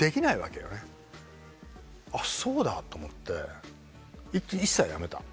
「あっそうだ」と思って一切やめた。